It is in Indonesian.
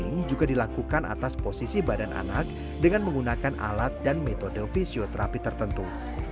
ini juga dilakukan atas posisi badan anak dengan menggunakan alat dan metode fisioterapi tertentu